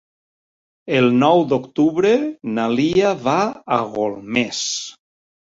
El nou d'octubre na Lia va a Golmés.